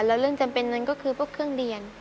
แล้วเรื่องจำเป็นนั้นก็คือพวกเครื่องเรียน